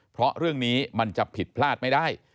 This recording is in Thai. เพราะเรื่องนี้มันจะผิดพลาดไม่ได้